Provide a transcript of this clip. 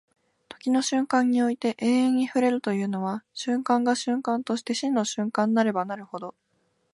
時の瞬間において永遠に触れるというのは、瞬間が瞬間として真の瞬間となればなるほど、